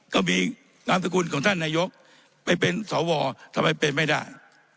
ก็มีนามสกุลของท่านนายกไม่เป็นสวทำไมเป็นไม่ได้